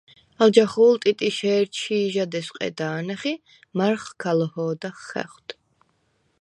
ალ ჯახუ̄ლ ტიტიშე̄რ ჩი̄ჟად ესვყედა̄ნახ ი მა̈რხჷ ქა ლოჰოდახ ხახვდ.